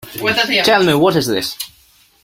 Tell me, what is this?